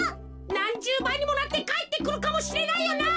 なんじゅうばいにもなってかえってくるかもしれないよな。